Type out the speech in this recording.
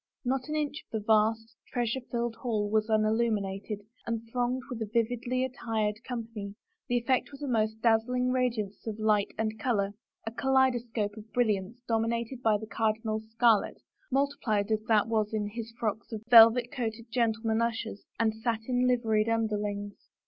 Not an inch of the vast, treasure flUed hall was unillumined, and thronged with a vividly attired company, the eflFect was a most dazzling radiance of light and color — a kaleido scope of brilliance dcwninated by the cardinal's scarlet, multiplied as that was in his flocks of velvet coated gen tlemen ushers and satin liveried tmderlings.